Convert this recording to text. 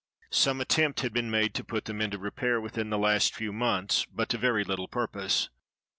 Some attempt had been made to put them into repair within the last few months, but to very little purpose.